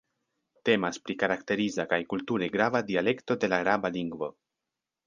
Temas pri karakteriza kaj kulture grava dialekto de la araba lingvo.